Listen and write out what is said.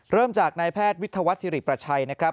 เริ่มจากนายแพทย์วิทยาวัฒนศิริประชัยนะครับ